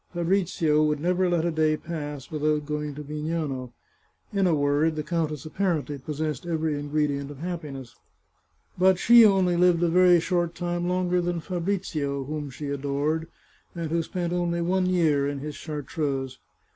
Fabrizio would never let a day pass without going to Vignano. In a word, the countess apparently possessed every ingredient of happiness. But she only lived a very short time longer than 534 The Chartreuse of Parma Fabrizio, whom she adored, and who spent only one year in his chartreuse.